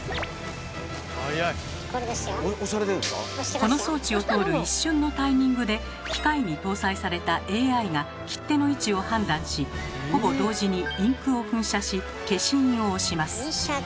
この装置を通る一瞬のタイミングで機械に搭載されたＡＩが切手の位置を判断しほぼ同時にインクを噴射し消印を押します。